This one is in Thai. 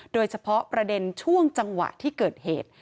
โดยเฉพาะประเด็นช่วงจังหวะที่เกิดเหตุ